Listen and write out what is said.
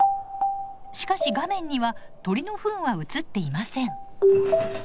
しかし画面には鳥のふんは映っていません。